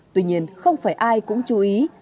tuy nhiên không phải ai cũng chú ý